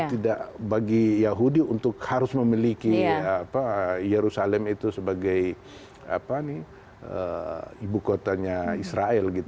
tidak bagi yahudi untuk harus memiliki yerusalem itu sebagai ibu kotanya israel